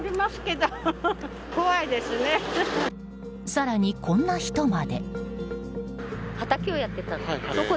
更にこんな人まで。